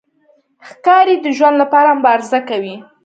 ښکاري د ژوند لپاره مبارزه کوي.